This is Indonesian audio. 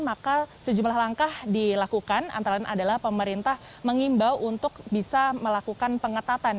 maka sejumlah langkah dilakukan antara lain adalah pemerintah mengimbau untuk bisa melakukan pengetatan